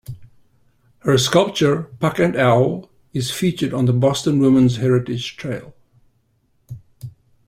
Her sculpture, "Puck and Owl", is featured on the Boston Women's Heritage Trail.